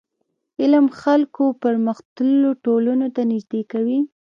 علم خلک و پرمختللو ټولنو ته نژدي کوي.